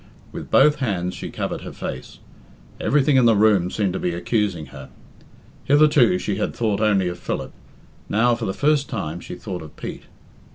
With both hands she covered her face. Everything in the room seemed to be accusing her. Hitherto she had thought only of Philip. Now for the first time she thought of Pete.